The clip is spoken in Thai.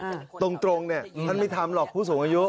ถ้าไปบอกให้ทดำรงเนี่ยทำไมก็ทำหรอกผู้สูงอายุ